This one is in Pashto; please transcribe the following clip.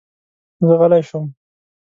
زه غلی شوم.